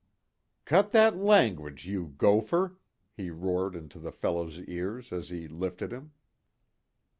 "Cut that language, you gopher!" he roared into the fellow's ears as he lifted him.